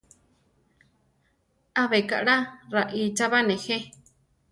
Abe kaʼla raícha ba, néje?